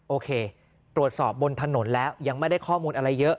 โอเคตรวจสอบบนถนนแล้วยังไม่ได้ข้อมูลอะไรเยอะ